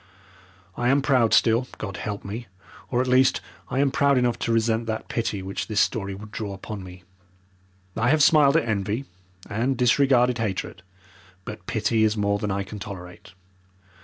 I am proud still God help me! or, at least, I am proud enough to resent that pity which this story would draw upon me. I have smiled at envy, and disregarded hatred, but pity is more than I can tolerate.